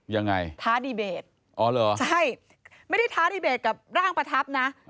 ยังไงท้าดีเบตอ๋อเหรอใช่ไม่ได้ท้าดีเบตกับร่างประทับนะ